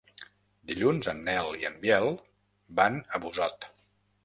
Dilluns en Nel i en Biel van a Busot.